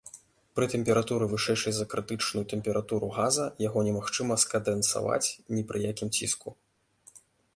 Пры тэмпературы, вышэйшай за крытычную тэмпературу газа, яго немагчыма скандэнсаваць ні пры якім ціску.